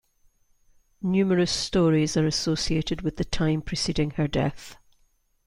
Numerous stories are associated with the time preceding her death.